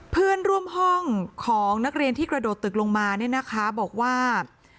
เพื่อนร่วมห้องของนักเรียนที่กระโดดตึกลงมาเนี่ยนะคะบอกว่า